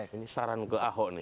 ini saran ke ahok nih